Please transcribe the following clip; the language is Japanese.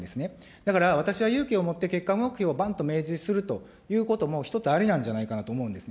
だから私は勇気をもって結果目標をばんと明示するということも一つありなんじゃないかなと思うんですね。